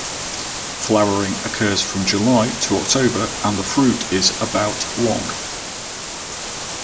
Flowering occurs from July to October and the fruit is about long.